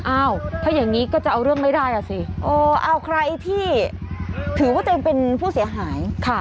อ้าวถ้าอย่างนี้ก็จะเอาเรื่องไม่ได้อ่ะสิเออเอาใครที่ถือว่าตัวเองเป็นผู้เสียหายค่ะ